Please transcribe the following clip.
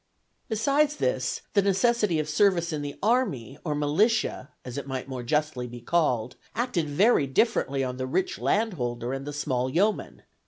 Besides this, the necessity of service in the army, or militia as it might more justly be called acted very differently on the rich landholder and the small yeoman.